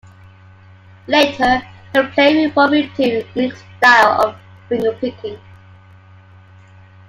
Later, her playing evolved into a unique style of fingerpicking.